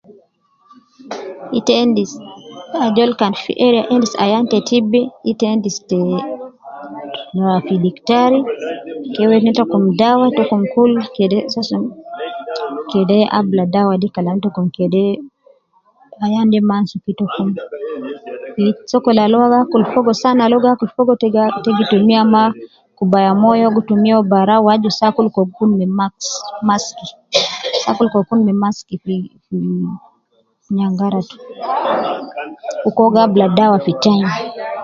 Ita endis, ajol kan fi area endis ayan te TB,ita endis te rua fi diktari, ke wedi ne tom dawa te kum kul kede soo sun, kede abula dawa de kalam te kum kede ayan de ma amsuku itakum, fi sokol al uwo akul fogo, san al uwo gi akul fogo, te gi ,te gi tumiya ma, kubaya moyo, uwo gi tumiya uwo barau, wu aju saa kul je uwo kun ne max mask, saa kul ke uwo kun me mask fi fi nyangaratu, dukur uwo gi abula dawa fi time